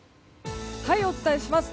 お伝えします。